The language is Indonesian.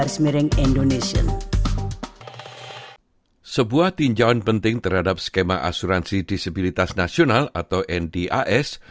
sebuah tinjauan penting terhadap skema asuransi disabilitas nasional atau ndas